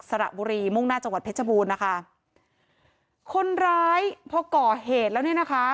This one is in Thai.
สระบุรีมุ่งหน้าจังหวัดเพชรบูรณ์นะคะคนร้ายพอก่อเหตุแล้วเนี่ยนะคะ